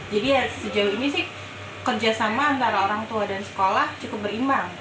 jadi sejauh ini sih kerjasama antara orang tua dan sekolah cukup berimbang